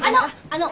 あの。